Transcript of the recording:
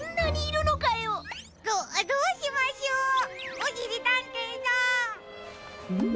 おしりたんていさん。